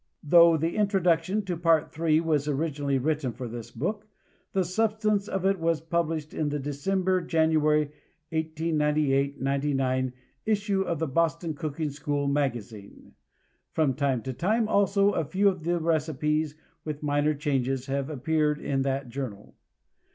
Though the introduction to Part III. was originally written for this book, the substance of it was published in the December January (1898 99) issue of the Boston Cooking School Magazine. From time to time, also, a few of the recipes, with minor changes, have appeared in that journal.